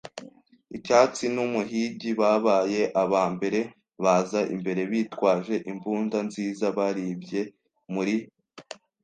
Icyatsi n'umuhigi babaye aba mbere baza imbere. Bitwaje imbunda nziza, baribye muri